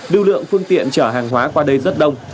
lưu lượng phương tiện chở hàng hóa qua đây rất đông